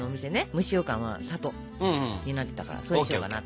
蒸しようかんは「里」になってたからそうしようかなと。